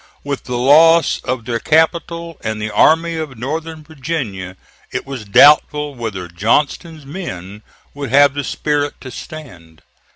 With the loss of their capital and the Army of Northern Virginia it was doubtful whether Johnston's men would have the spirit to stand.